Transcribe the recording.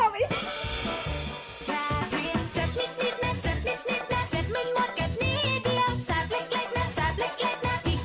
ไม่ได้ให้ต่อไป